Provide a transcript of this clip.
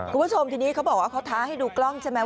คุณผู้ชมทีนี้เขาบอกว่าเขาท้าให้ดูกล้องใช่ไหม